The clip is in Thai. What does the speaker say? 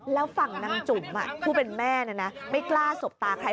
แล้วพี่หมีนออกมาพูดเหมือนค่ะใช้ไหม